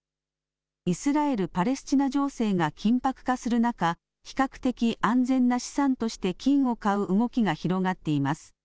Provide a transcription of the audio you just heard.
イスラエル・パレスチナ情勢が緊迫化する中比較的安全な資産として金を買う動きが広がっています。